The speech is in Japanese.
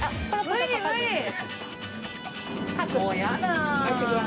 もうやだ！